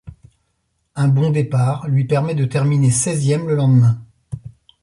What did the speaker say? Un bon départ lui permet de terminer seizième le lendemain.